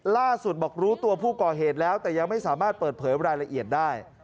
ล่าสุดบอกรู้ตัวผู้ก่อเหตุแล้วแต่ยังไม่สามารถเปิดเผยรายละเอียดได้